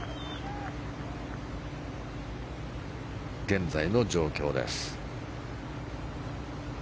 現在の状況です。